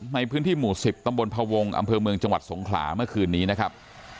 ในพื้นที่หมู่๑๐ตำบลพวงอำเภอเมืองจังหวัดสงขลาเมื่อคืนนี้นะครับ